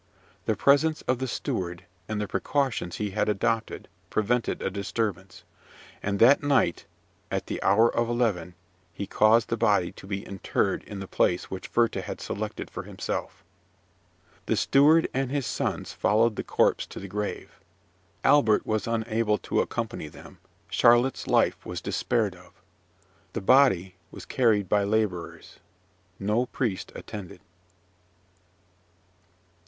The presence of the steward, and the precautions he had adopted, prevented a disturbance; and that night, at the hour of eleven, he caused the body to be interred in the place which Werther had selected for himself. The steward and his sons followed the corpse to the grave. Albert was unable to accompany them. Charlotte's life was despaired of. The body was carried by labourers. No priest attended.